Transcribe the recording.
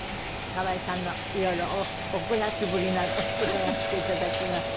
川井さんの色々お暮らしぶりなど伺わせて頂きます。